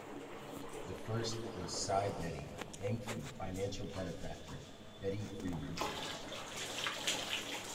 The first was Si Betty, named for the financial benefactor Betty Freeman.